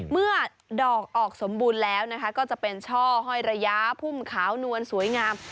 เมื่อดอกออกสมบูรณ์แล้วก็จะเป็นช่อห้อยระยะพุ่มขาวนวลสวยงาม